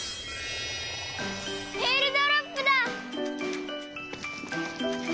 えーるドロップだ！